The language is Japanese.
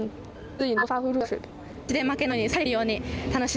よし！